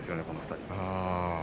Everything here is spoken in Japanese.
この２人。